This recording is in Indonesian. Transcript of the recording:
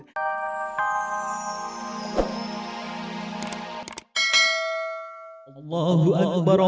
indra indra indra